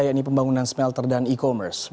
yaitu pembangunan smelter dan e commerce